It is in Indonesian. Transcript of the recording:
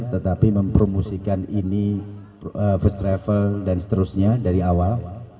tetapi mempromosikan ini first travel dan seterusnya dari awal